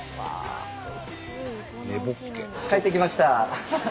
帰ってきました。